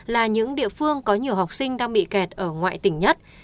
là những địa phương có nhiều học sinh đang bị kẹt ở ngoại tỉnh nhất